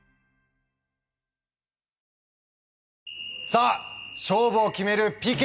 さあ勝負を決めるＰＫ。